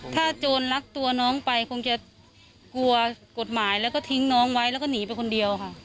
ถ้าโจรลักตัวน้องไปคงจะกลัวกฎหมายแล้วก็ทิ้งน้องไว้แล้วก็หนีไปคนเดียวค่ะ